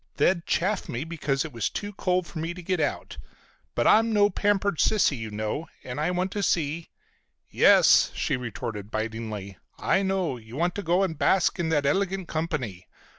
They'd chaff me because it was too cold for me to get out. But I'm no pampered sissy, you know, and I want to see—" "Yes," she retorted bitingly, "I know. You want to go and bask in that elegant company.